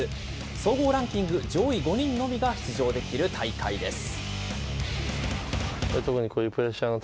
総合ランキング上位５人のみが出場できる大会です。